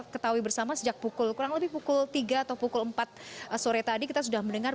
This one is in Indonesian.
ketahui bersama sejak pukul kurang lebih pukul tiga atau pukul empat sore tadi kita sudah mendengar